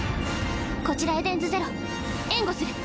こちらエデンズゼロ援護する。